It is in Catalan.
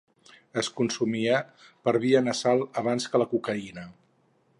Es consumia per via nasal abans que la cocaïna.